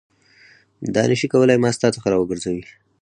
دا نه شي کولای ما ستا څخه راوګرځوي.